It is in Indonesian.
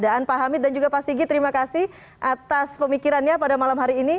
terima kasih pak hamid dan juga pak sigi terima kasih atas pemikirannya pada malam hari ini